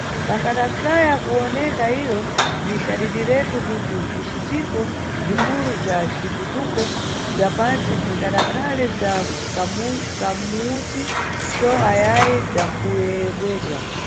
Pangadasaya kuwoneka iro, ni cadidiretu, kuti bzicitiko bzikulu bza citukuko bza pantsi bzingadakhale bza kamuti cho ayayi bzakuyebwedwa.